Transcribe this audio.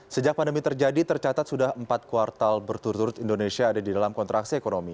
sejak pandemi terjadi tercatat sudah empat kuartal berturut turut indonesia ada di dalam kontraksi ekonomi